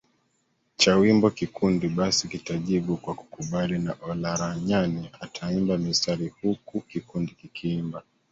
cha wimbo Kikundi basi kitajibu kwa kukubali na Olaranyani ataimba mistari huku kikundi kikiimba